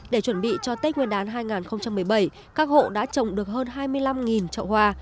để chuẩn bị cho tết nguyên đán hai nghìn một mươi bảy các hộ đã trồng được hơn hai mươi năm trậu hoa